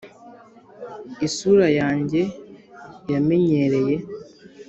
isura yanjye yamenyereye?